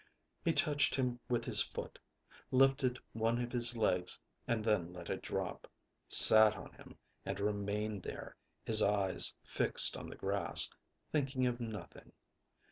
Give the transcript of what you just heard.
He touched him with his foot, lifted one of his legs and then let it drop, sat on him and remained there, his eyes fixed on the grass, thinking of nothing.